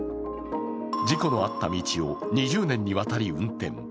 事故のあった道を２０年にわたり運転。